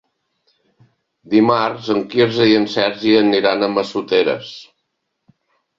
Dimarts en Quirze i en Sergi aniran a Massoteres.